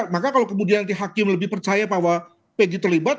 maka kalau kemudian nanti hakim lebih percaya bahwa pg terlibat